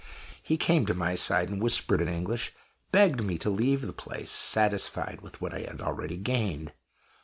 He came to my side, and whispering in English, begged me to leave the place, satisfied with what I had already gained.